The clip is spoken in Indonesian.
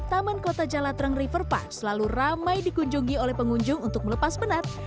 taman kota jalatreng river park selalu ramai dikunjungi oleh pengunjung untuk melepas penat